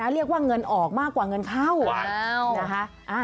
เรียกว่าเงินออกมากว่าเงินเข้านะคะ